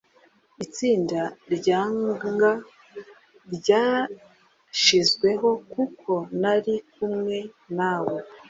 itsinda ryanga ryashizweho kuko nari kumwe nawe.